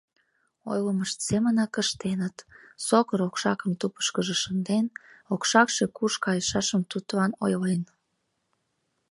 Ойлымышт семынак ыштеныт: сокыр окшакым тупышкыжо шынден, окшакше куш кайышашым тудлан ойлен.